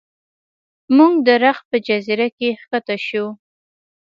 موږ د رخ په جزیره کې ښکته شو.